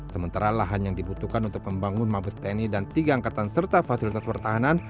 sementara lahan yang dibutuhkan untuk membangun mabes tni dan tiga angkatan serta fasilitas pertahanan